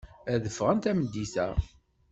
Ad ffɣen tameddit-a.